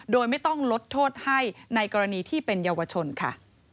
โดยไม่ต้องลดโทษให้ในกรณีที่เป็นเยาวชนค่ะ